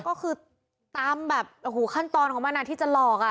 ก็คือตามแบบขั้นตอนของมันอ่ะที่จะหลอก